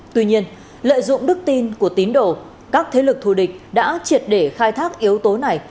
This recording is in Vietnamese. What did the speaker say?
tuy nhiên lợi dụng đức tin của tín đồ các thế lực thù địch đã triệt để khai thác yếu tố này